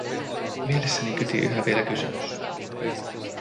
Mielessäni kyti yhä vielä kysymys: